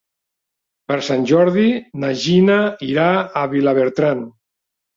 Per Sant Jordi na Gina irà a Vilabertran.